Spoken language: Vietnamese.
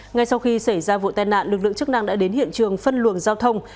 ngay sau khi xảy ra vụ tai nạn lực lượng chức năng đã đến hiện trường phân luồng giao thông